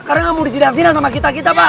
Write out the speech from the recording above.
karena mau disidangin sama kita kita pak